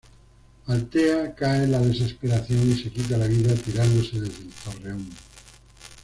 Altea cae en la desesperación y se quita la vida tirándose desde el torreón.